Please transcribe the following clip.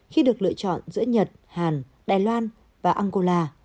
khi được lựa chọn giữa nhật hàn đài loan và angola